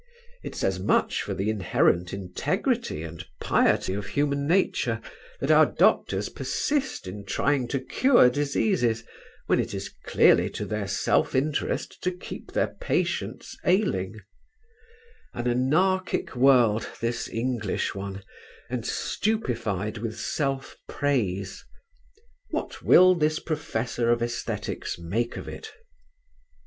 It says much for the inherent integrity and piety of human nature that our doctors persist in trying to cure diseases when it is clearly to their self interest to keep their patients ailing an anarchic world, this English one, and stupefied with self praise. What will this professor of Æsthetics make of it?